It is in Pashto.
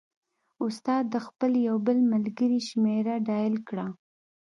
استاد د خپل یو بل ملګري شمېره ډایله کړه.